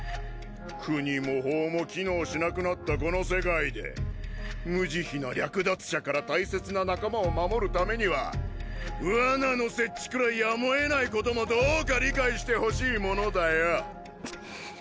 国も法も機能しなくなったこの世界で無慈悲な略奪者から大切な仲間を守るためには罠の設置くらいやむをえないこともどうか理解してほしいものだよ。くっ。